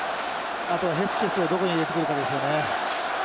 あとはヘスケスをどこに入れてくるかですよね。